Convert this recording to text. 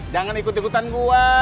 jangan ikut ikutan gue